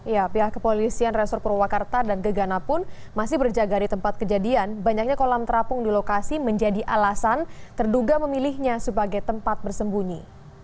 ya pihak kepolisian resor purwakarta dan gegana pun masih berjaga di tempat kejadian banyaknya kolam terapung di lokasi menjadi alasan terduga memilihnya sebagai tempat bersembunyi